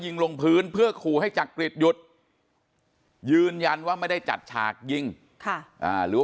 ลงพื้นเพื่อขู่ให้จักริตหยุดยืนยันว่าไม่ได้จัดฉากยิงหรือ